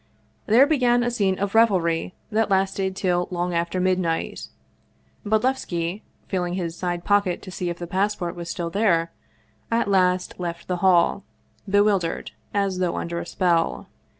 There began a scene of revelry that lasted till long after midnight. Bodlevski, feeling his side pocket to see if the passport was still there, at last left the hall, bewildered, as though under a spell.